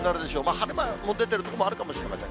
晴れ間が出ている所もあるかもしれません。